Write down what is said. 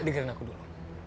dengerin aku dulu